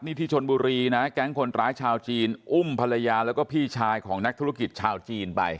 นี่ที่ชนบุรีนะแก๊งคนร้ายชาวจีนอุ้มภรรยาแล้วก็พี่ชายของนักธุรกิจชาวจีนไป